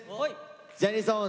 「ジャニソン！